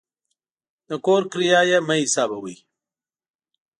د کور کرایه یې مه حسابوئ.